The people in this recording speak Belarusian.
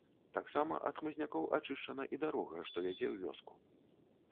Таксама ад хмызнякоў ачышчана і дарога, што вядзе ў вёску.